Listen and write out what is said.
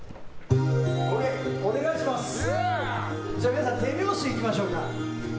皆さん手拍子でいきましょうか。